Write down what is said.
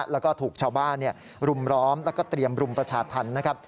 แล้วก็ถูกชาวบ้านรุมร้อมแล้วก็เตรียมรุมประชาธรรมนะครับ